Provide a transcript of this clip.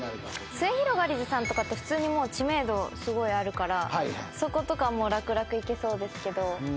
すゑひろがりずさんとか普通に知名度すごいあるからそことかもう楽々いけそうですけど。